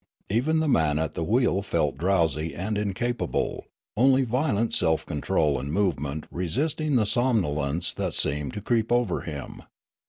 Even the man at the wheel felt drowsy and incapable, only violent self control and movement resisting the somnolence that seemed to creep over him.